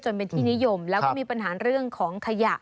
เป็นที่นิยมแล้วก็มีปัญหาเรื่องของขยะ